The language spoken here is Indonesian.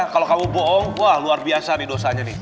kalau kamu bohong wah luar biasa nih dosanya nih